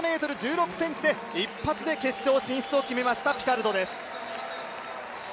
１７ｍ１６ｃｍで一発で決勝進出を決めましたピカルドです。